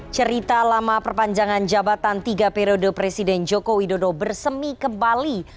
cerita lama perpanjangan jabatan tiga periode presiden joko widodo bersemi kembali